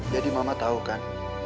jadi mama tahu kan